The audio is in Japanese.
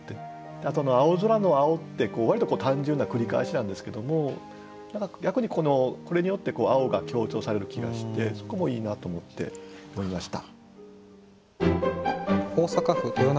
あと「青空の青」って割と単純な繰り返しなんですけども逆にこれによって青が強調される気がしてそこもいいなと思ってとりました。